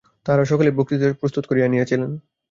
তাঁহারা সকলেই বক্তৃতা প্রস্তুত করিয়া আনিয়াছিলেন।